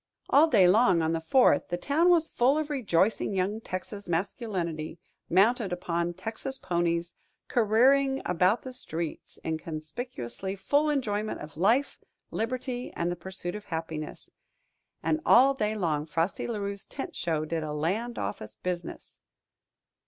All day long on the Fourth, the town was full of rejoicing young Texas masculinity, mounted upon Texas ponies, careering about the streets in conspicuously full enjoyment of life, liberty, and the pursuit of happiness. And all day long Frosty La Rue's tent show did a land office business.